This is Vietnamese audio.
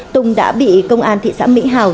tùng đã bị công an thị xã mỹ hào